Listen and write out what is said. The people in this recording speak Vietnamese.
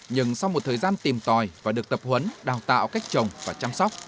nhưng sau một thời gian tìm tòi và được tập huấn đào tạo cách trồng và chăm sóc